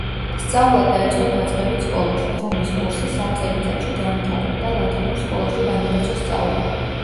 სწავლა დაიწყო დაწყებით სკოლაში, რომლის კურსი სამ წელიწადში დაამთავრა და ლათინურ სკოლაში განაგრძო სწავლა.